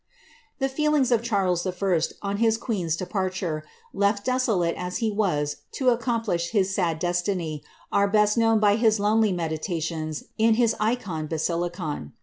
' The feelings of Charles I. on his queen's departure, left desolate as he was to accomplish his sad destiny, are best known by his lonely medi titions in his Eikon Basilicon.